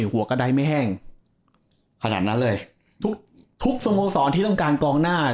หัวกระดายไม่แห้งขนาดนั้นเลยทุกทุกสโมสรที่ต้องการกองหน้า